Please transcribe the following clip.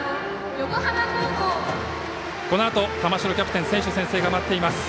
このあと玉城キャプテン選手宣誓が待っています。